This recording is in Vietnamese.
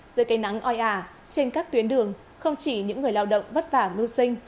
dưới cây nắng oi ả trên các tuyến đường không chỉ những người lao động vất vả mưu sinh